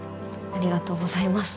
ありがとうございます。